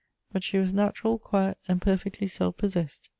But she was natural, quiet, and perfectly self possessed.